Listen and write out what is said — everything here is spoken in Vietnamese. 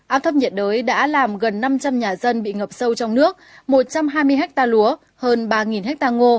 áp thấp nhiệt đới đã làm gần năm trăm linh nhà dân bị ngập sâu trong nước một trăm hai mươi ha lúa